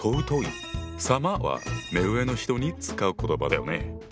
「様」は目上の人に使う言葉だよね。